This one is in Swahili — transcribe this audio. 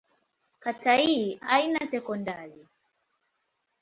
Kata hii haina sekondari.